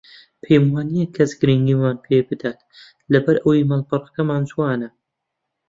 پێم وانییە کەس گرنگیمان پێ بدات لەبەر ئەوەی ماڵپەڕەکەمان جوانە